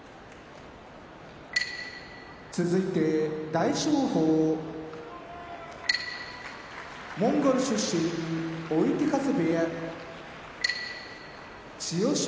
大翔鵬モンゴル出身追手風部屋千代翔